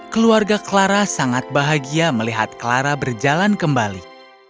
keluarga clara sangat bahagia melihat clara berjalan kembali